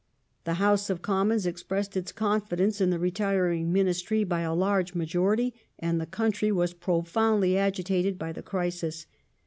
The House of Commons expressed its confidence in the retiring Ministry by a large majority, and the country was pro foundly agitated by the crisis.